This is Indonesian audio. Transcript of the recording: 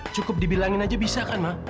cukup dibilangin aja bisa kan mak